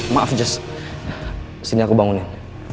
maaf just sini aku bangunin